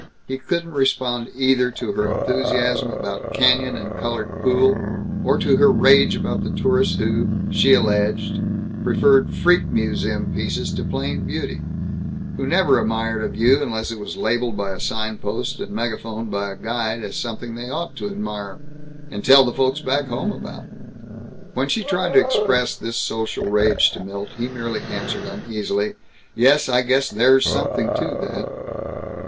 He couldn't respond either to her enthusiasm about canyon and colored pool or to her rage about the tourists who, she alleged, preferred freak museum pieces to plain beauty; who never admired a view unless it was labeled by a signpost and megaphoned by a guide as something they ought to admire and tell the Folks Back Home about. When she tried to express this social rage to Milt he merely answered uneasily, "Yes, I guess there's something to that."